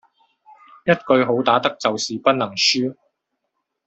一句好打得就是不能輸